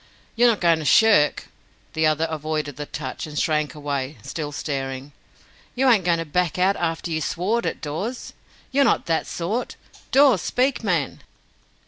"You're not going to shirk?" The other avoided the touch, and shrank away, still staring. "You ain't going to back out after you swored it, Dawes? You're not that sort. Dawes, speak, man!"